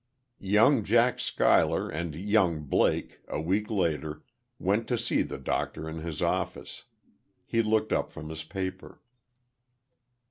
Young Jack Schuyler and young Blake, a week later, went to see the doctor in his office. He looked up from his paper.